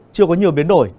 chưa có nhiều biến đổi